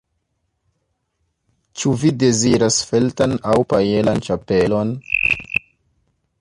Ĉu vi deziras feltan aŭ pajlan ĉapelon?